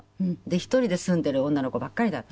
１人で住んでる女の子ばっかりだったの。